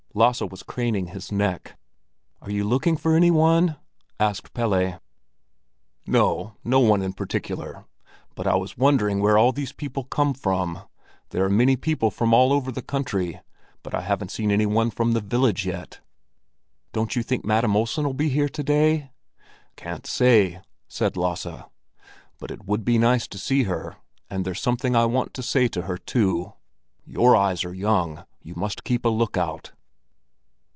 Lasse was craning his neck. "Are you looking for any one?" asked Pelle. "No, no one in particular; but I was wondering where all these people come from. There are people from all over the country, but I haven't seen any one from the village yet." "Don't you think Madam Olsen'll be here to day?" "Can't say," said Lasse; "but it would be nice to see her, and there's something I want to say to her, too. Your eyes are young; you must keep a lookout."